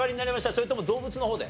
それとも動物の方で？